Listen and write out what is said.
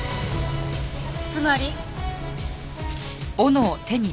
つまり。